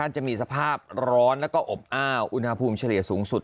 จะมีสภาพร้อนแล้วก็อบอ้าวอุณหภูมิเฉลี่ยสูงสุด